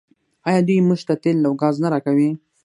آیا دوی موږ ته تیل او ګاز نه راکوي؟